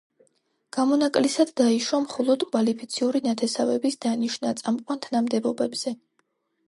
გამონაკლისად დაიშვა მხოლოდ კვალიფიციური ნათესავების დანიშნვა წამყვან თანამდებობებზე.